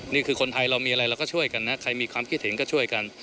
นี่คือคนไทยเรามีอะไรเราก็ช่วยกันนะใครมีความคิดเห็นก็ช่วยกัน